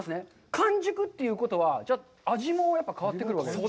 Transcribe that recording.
完熟ということは、じゃあ味もやっぱり変わってくるわけですか。